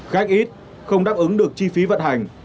khác ít không đáp ứng được chi phí vận hành